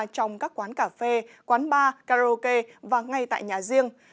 trong các quán cà phê quán bar karaoke và ngay tại nhà riêng